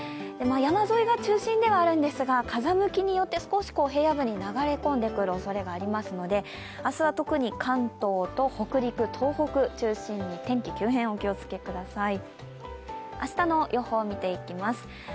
山沿いが中心ではあるんですが風向きによって少し平野部に流れ込んでくるおそれがありますので、明日は特に関東と北陸、東北中心に天気急変、お気をつけください。